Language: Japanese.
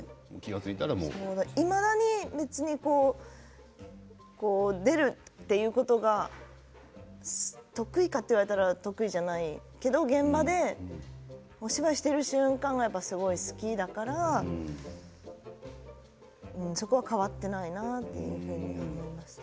いまだに出るということが得意かと言われたら得意じゃないけれど現場で、お芝居している瞬間がすごい好きだからそこは変わってないなっていうふうに思いますね。